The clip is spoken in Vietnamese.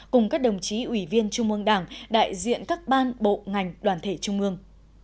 cùng các đồng chí ủy viên trung ương đảng đại diện các ban bộ ngành đoàn thể trung ương